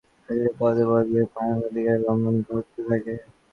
তিনি বলেছেন, সুশাসনের অভাব থাকলে পদে পদে মানবাধিকারের লঙ্ঘন ঘটতে থাকে।